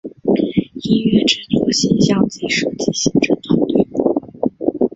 音乐制作形像及设计行政团队